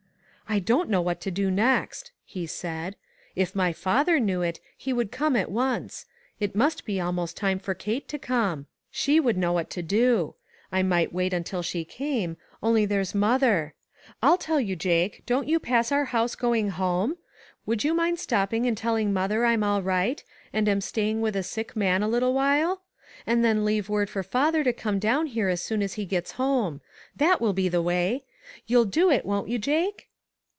"I don't know what to do next," he said; "if my father knew it, he would come at once. It must be almost time for Kate to come. She would know what to do I might wait until she came ; only there's mother. I'll tell you, Jake, don't you pass our house going home? Would you mind ONE OF THE HOPELESS CASES. 337 stopping and telling mother I'm all right, and am staying with a sick man a little while? And then leave word for father to come down here as soon as he gets home. That will be the way. You'll do it, won't you, Jake?"